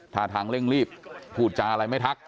ท่าทางเร่งรีบพูดจาอะไรไม่ทัก